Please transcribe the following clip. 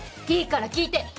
いいから聞いて。